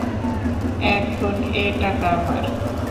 এখন এ টাকা আমার।